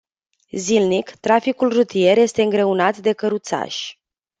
Zilnic, traficul rutier este îngreunat de căruțași.